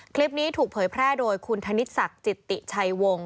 คลิปนี้ถูกเผยแพร่โดยคุณธนิษฐศักดิ์จิตติชัยวงศ